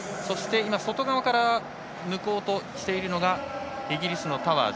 外側から抜こうとしているのがイギリスのタワーズ。